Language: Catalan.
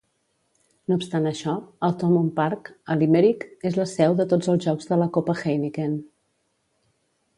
No obstant això, el Thomond Park, a Limerick, és la seu de tots els jocs de la Copa Heineken.